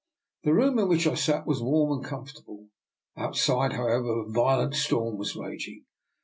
The room in which I sat was warm and comfortable; outside, however, a violent storm was raging.